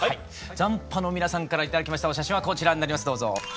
斬波の皆さんから頂きましたお写真はこちらになりますどうぞ。